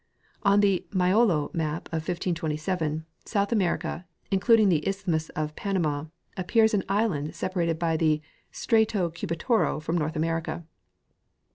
On the Maiollo map of 1527 South America, including the isth mus of Panama, appears an island separated by the " Straito Cubi toro " from North America.